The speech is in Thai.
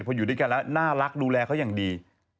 พออยู่ด้วยกันแล้วน่ารักดูแลเขาอย่างดี